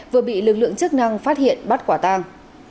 vừa bị lực lượng chức năng phát hiện bắt quả tàng